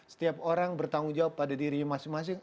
setiap orang bertanggung jawab pada dirinya masing masing